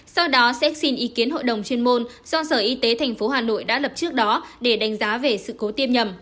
sau đó sẽ xin ý kiến hội đồng chuyên môn do sở y tế tp hà nội đã lập trước đó để đánh giá về sự cố tiêm nhầm